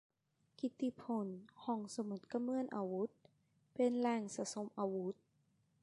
กิตติพล : ห้องสมุดก็เหมือนอาวุธ เป็นแหล่งสะสมอาวุธ